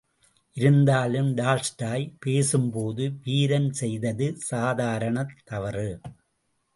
இருந்தாலும், டால்ஸ்டாய் பேசும் போது, வீரன் செய்தது சாதாரணத் தவறு.